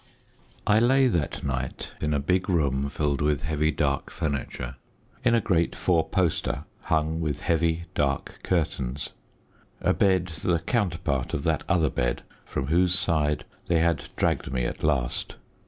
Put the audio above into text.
I lay that night in a big room filled with heavy, dark furniture, in a great four poster hung with heavy, dark curtains a bed the counterpart of that other bed from whose side they had dragged me at last.